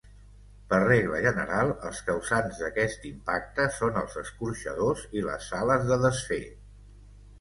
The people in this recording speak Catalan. Per regla general els causants d'aquest impacte són els escorxadors i les sales de desfer.